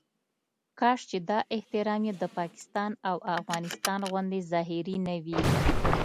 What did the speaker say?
کاش چې دا احترام یې د پاکستان او افغانستان غوندې ظاهري نه وي.